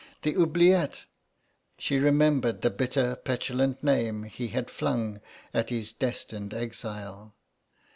The "oubliette!" She remembered the bitter petulant name he had flung at his destined exile.